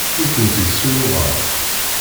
Ur kent-id-ssunuɣeɣ.